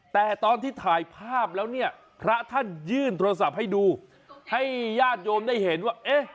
แต่ตอนที่ถ่ายภาพแล้วเนี่ยพระท่านยื่นโทรศัพท์ให้ดูให้ญาติโยมได้เห็นว่าเอ๊ะ